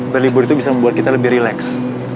berlibur itu bisa membuat kita lebih rileks